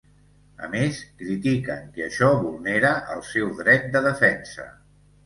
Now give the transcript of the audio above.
A més, critiquen que això vulnera el seu dret de defensa.